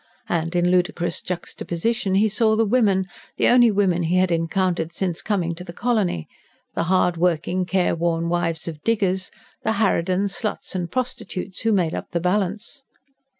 And, in ludicrous juxtaposition, he saw the women, the only women he had encountered since coming to the colony: the hardworking, careworn wives of diggers; the harridans, sluts and prostitutes who made up the balance.